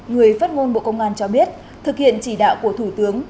người phát ngôn bộ công an cho biết thực hiện chỉ đạo của thủ tướng